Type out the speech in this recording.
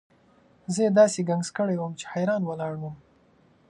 زه یې داسې ګنګس کړی وم چې حیران ولاړ وم.